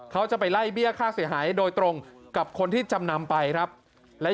เขาจะไปไล่เบี้ยค่าเสียหายโดยตรงกับคนที่จำนำไปครับและ